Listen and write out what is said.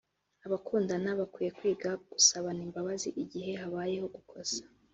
Abakundana bakwiye kwiga gusabana imbabazi igihe habayeho gukosa